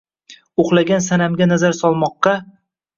Uxlagan sanamga nazar solmoqqa.